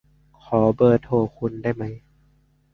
ขอเบอร์โทรคุณได้ไหม